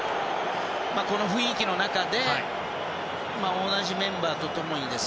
この雰囲気の中で同じメンバーと共に。